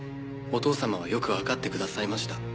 お父様はよく分かってくださいました。